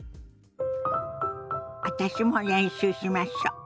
私も練習しましょ。